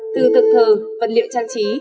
từ thực thờ vật liệu trang trí